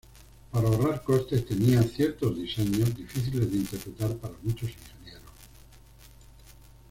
Para ahorrar costes, tenía "ciertos diseños" difíciles de interpretar para muchos ingenieros.